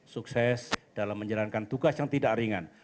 sukses dalam menjalankan tugas yang tidak ringan